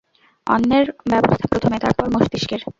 অন্নের ব্যবস্থা প্রথমে, তারপর মস্তিষ্কের।